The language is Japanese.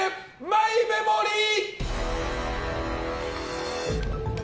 マイメモリー！